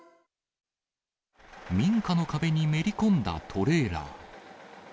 民家の壁にめり込んだトレーラー。